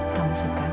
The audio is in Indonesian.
kamu suka kan